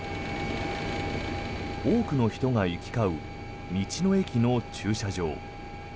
多くの人が行き交う道の駅の駐車場。